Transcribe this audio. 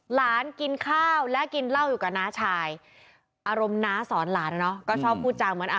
หลานกินข้าวและกินเหล้าอยู่กับน้าชายอารมณ์น้าสอนหลานเนอะก็ชอบพูดจางเหมือนอ่ะ